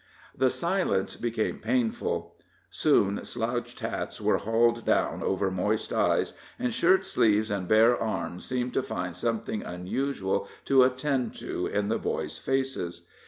The silence became painful: soon slouched hats were hauled down over moist eyes, and shirt sleeves and bare arms seemed to find something unusual to attend to in the boys' faces.